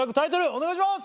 お願いします！